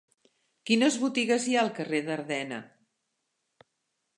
Quines botigues hi ha al carrer d'Ardena?